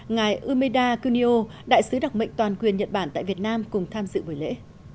ngài umeda kunio đại sứ đặc mệnh toàn quyền nhật bản tại việt nam cùng tham dự buổi lễ